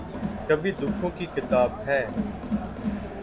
کبھی دکھوں کی کتاب ہے